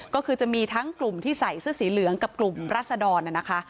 ก็คือจะมีทั้งกลุ่มที่ใส่เสื้อสีเหลืองกับกลุ่มรัศดรนะคะ